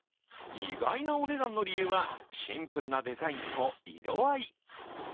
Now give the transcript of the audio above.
意外なお値段の理由はシンプルなデザインと色合い。